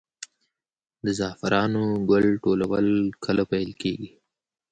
د زعفرانو ګل ټولول کله پیل کیږي؟